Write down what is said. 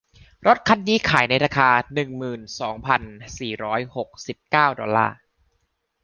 รถคันนี้ขายในราคา หนึ่งหมื่นสองพันสี่ร้อยหกสิบเก้าดอลลาร์